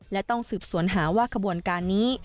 และต้องสืบสวนหาว่าขบวนการนี้